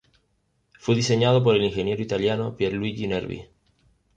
Fue diseñado por el ingeniero italiano Pier Luigi Nervi.